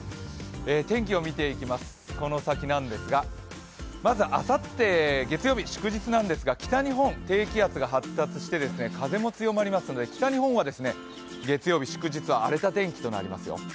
天気を見ていきます、この先なんですが、まずあさって、月曜日祝日なんですが北日本、低気圧が発達して風も強まりますので北日本は月曜日、祝日は荒れた天気となりますよ。